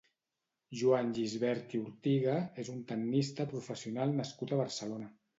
Joan Gisbert i Ortiga és un tennista professional nascut a Barcelona.